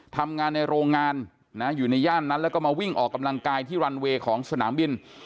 ทำงานในโรงงานนะอยู่ในย่านนั้นแล้วก็มาวิ่งออกกำลังกายที่รันเวย์ของสนามบิน